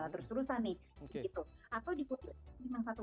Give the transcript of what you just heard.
terus terusan nih kayak gitu